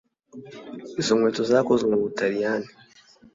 izo nkweto zakozwe mu butaliyani